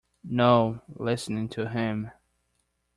No, listening to him.